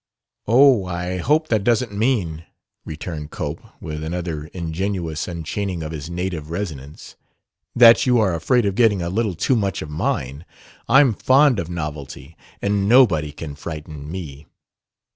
"Oh, I hope that doesn't mean," returned Cope, with another ingenuous unchaining of his native resonance, "that you are afraid of getting a little too much of mine! I'm fond of novelty, and nobody can frighten me."